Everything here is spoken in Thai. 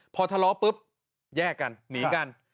พอทะเลาะปุ๊บแยกกันหนีกัน